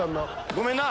ごめんな！